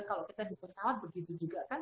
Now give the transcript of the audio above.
kalau kita di pesawat begitu juga kan